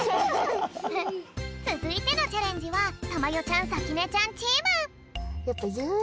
つづいてのチャレンジはたまよちゃんさきねちゃんチーム。